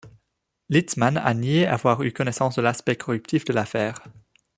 Litzmann a nié avoir eu connaissance de l'aspect corruptif de l'affaire.